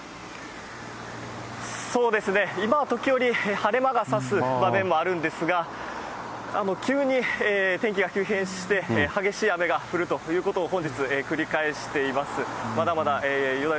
そうです、今は時折、晴れ間がさす場面もあるんですが、急に天気が急変して、激しい雨が降るということを本日繰り返しています。